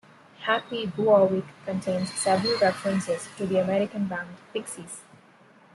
"Happy Bivouac" contains several references to the American band Pixies.